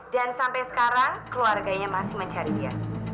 dan sampai sekarang keluarganya masih mencari dia